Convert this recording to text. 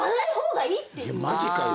マジかよ。